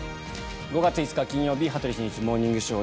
５月５日、金曜日「羽鳥慎一モーニングショー」。